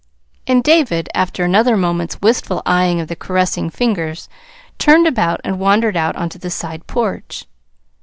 And David, after another moment's wistful eyeing of the caressing fingers, turned about and wandered out onto the side porch.